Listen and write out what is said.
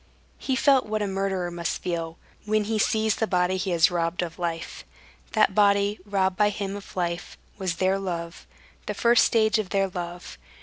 He felt what a murderer must feel, when he sees the body he has robbed of life. That body, robbed by him of life, was their love, the first stage of their love.